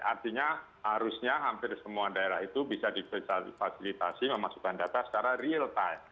artinya harusnya hampir semua daerah itu bisa difasilitasi memasukkan data secara real time